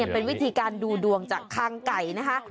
เป็นวิธีการดูดวงจากคางไก่นะคะ